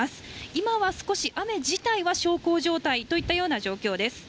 今は少し雨自体は小康状態といったような状況です。